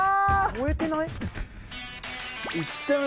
燃えてない？